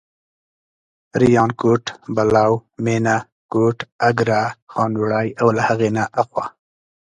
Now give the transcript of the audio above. ریانکوټ، بلو، مېنه، کوټ، اګره، خانوړی او له هغې نه اخوا.